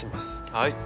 はい。